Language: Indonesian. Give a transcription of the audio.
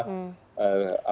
apakah dana pemerintah punya data